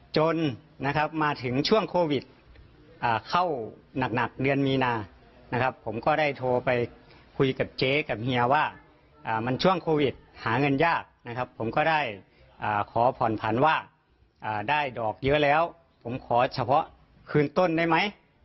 จนนะครับมาถึงช่วงโควิดเข้าหนักเดือนมีนานะครับผมก็ได้โทรไปคุยกับเจ๊กับเฮียว่ามันช่วงโควิดหาเงินยากนะครับผมก็ได้ขอผ่อนผันว่าได้ดอกเยอะแล้วผมขอเฉพาะคืนต้นได้ไหม